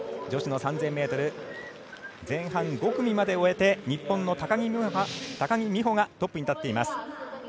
女子の３０００ｍ前半５組まで終えて日本の高木美帆がトップに立っています。